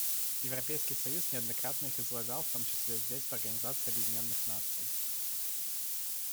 Европейский союз неоднократно их излагал, в том числе здесь, в Организации Объединенных Наций.